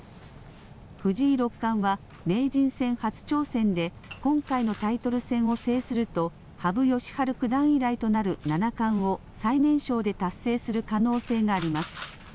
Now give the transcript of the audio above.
藤井六冠は名人戦初挑戦で今回のタイトル戦を制すると羽生善治九段以来となる七冠を最年少で達成する可能性があります。